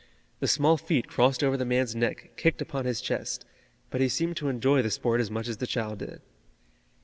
The small feet crossed over the man's neck kicked upon his chest, but he seemed to enjoy the sport as much as the child did.